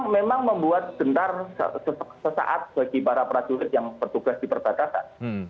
memang membuat gentar sesaat bagi para prajurit yang bertugas di perbatasan